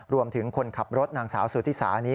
คนขับรถนางสาวสุธิสานี้